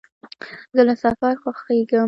زه له سفر خوښېږم.